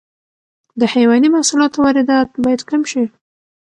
د حیواني محصولاتو واردات باید کم شي.